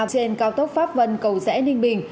trên cao tốc pháp vân cầu rẽ ninh bình